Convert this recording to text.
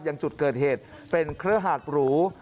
ยังจุดเกิดเหตุเป็นเครือหาดหรู